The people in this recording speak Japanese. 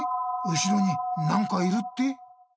後ろになんかいるって？